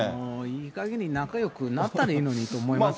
いいかげんに仲よくなったらいいのにと思いますね。